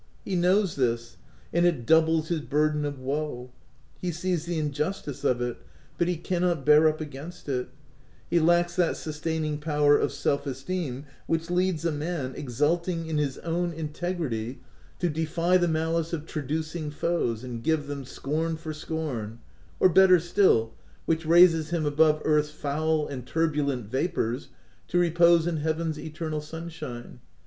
He knows this ; and it doubles his burden of wo. He sees the in justice of it, but he cannot bear up against it ; he lacks that sustaining power of self esteem which leads a man, exulting in his own integ 20 THE TENANT rity, to defy the malice of traducing foes and give them scorn for scorn — or, better still, which raises him above earth's foul and tur bulent vapours, to repose in Heaven's eternal sunshine.